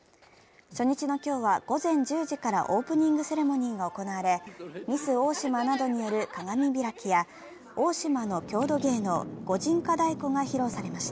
初日の今日は午前１０時からオープニングセレモニーが行われミス大島などによる鏡開きや大島の郷土芸能、御神火太鼓が披露されました。